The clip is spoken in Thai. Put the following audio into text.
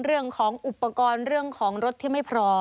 เรื่องของอุปกรณ์เรื่องของรถที่ไม่พอ